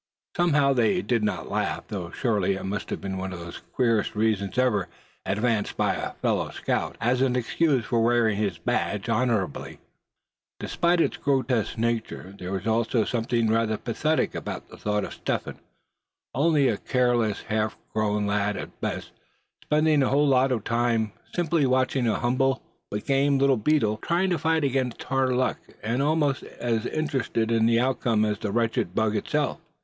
Somehow, they did not laugh, though surely it must have been one of the queerest reasons ever advanced by a fellow scout, as an excuse for wearing his badge honorably. Despite its grotesque nature, there was also something rather pathetic about the thought of Step Hen, only a careless, half grown lad at best, spending a whole lot of time, simply watching an humble but game little beetle trying to fight against hard luck, and almost as interested in the outcome as the wretched bug itself.